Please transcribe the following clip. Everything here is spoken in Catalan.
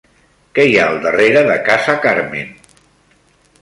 Què hi ha al darrere de Casa Carmen?